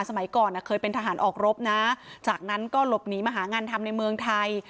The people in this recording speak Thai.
สมัยก่อนเคยเป็นทหารออกรบนะจากนั้นก็หลบหนีมาหางานทำในเมืองไทย